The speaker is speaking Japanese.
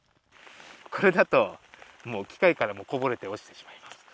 これだと、もう機械からこぼれて落ちてしまいます。